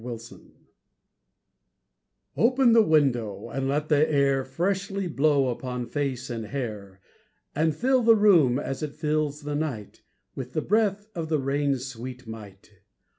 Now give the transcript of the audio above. Nelson] OPEN the window, and let the air Freshly blow upon face and hair, And fill the room, as it fills the night, With the breath of the rain's sweet might.